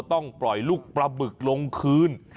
ต้องปล่อยลูกปลาบึกลงคืน